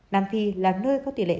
nam phi là nơi có tỷ lệ